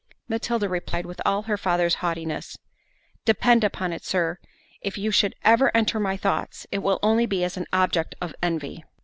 Matilda replied with all her father's haughtiness, "Depend upon it, Sir, if you should ever enter my thoughts, it will only be as an object of envy."